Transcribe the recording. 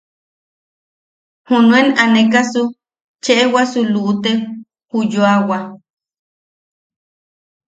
Junuen anekasu cheʼebwasu luʼute ju yoawa.